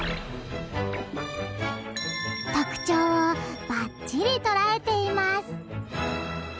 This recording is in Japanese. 特徴をバッチリ捉えています